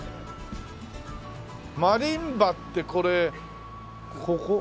マリンバってこれここ上かな？